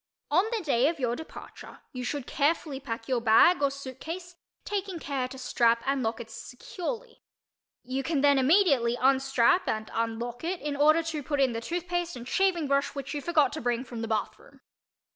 On the day of your departure you should carefully pack your bag or suitcase, taking care to strap and lock it securely. You can then immediately unstrap and unlock it in order to put in the tooth paste and shaving brush which you forgot to bring from the bathroom.